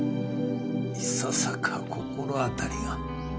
いささか心当たりが。